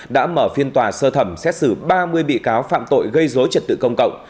đã mở phiên tòa sơ thẩm xét xử ba mươi bị cáo phạm tội gây dối trật tự công cộng